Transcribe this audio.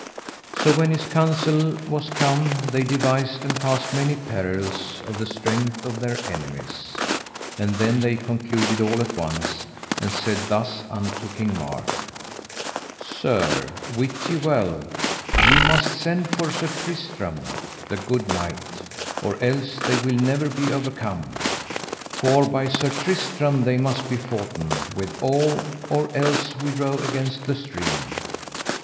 So when his council was come they devised and cast many perils of the strength of their enemies. And then they concluded all at once, and said thus unto King Mark: Sir, wit ye well ye must send for Sir Tristram, the good knight, or else they will never be overcome. For by Sir Tristram they must be foughten withal, or else we row against the stream.